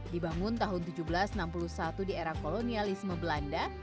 dibangun tahun seribu tujuh ratus enam puluh satu di era kolonialisme belanda